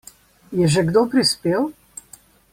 Je že kdo prispel?